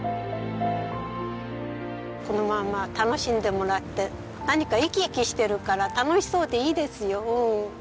このまま楽しんでもらって何か生き生きしてるから楽しそうでいいですよ。